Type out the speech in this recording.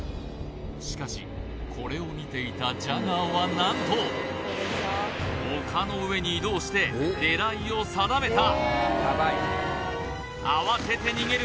しかしこれを見ていたジャガーは何と丘の上に移動して狙いを定めた慌てて逃げる